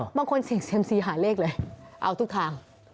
บางคนเสี่ยงเซียมซีหาเลขเลยเอาทุกทาง